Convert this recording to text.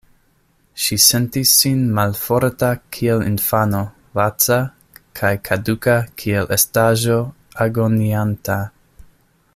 Ŝi sentis sin malforta kiel infano, laca kaj kaduka kiel estaĵo agonianta.